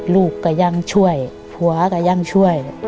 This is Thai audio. ลูกก็ยังช่วยผัวก็ยังช่วย